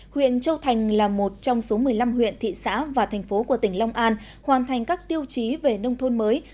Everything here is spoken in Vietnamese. huyện châu thành là một trong số một mươi năm huyện thị xã và thành phố của tỉnh long an hoàn thành các tiêu chí về nông thôn mới